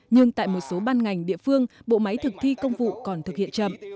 nhưng tại một số ban ngành địa phương bộ máy thực thi công vụ còn thực hiện chậm